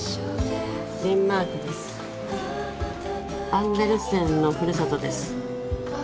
アンデルセンのふるさとです。